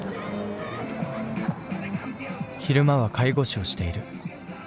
昼間は介護士をしている。